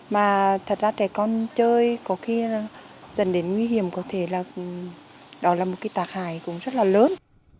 mà thật ra trẻ con chơi có khi dần đến nguy hiểm có thể là đó là một cái tạc hại cũng rất là lớn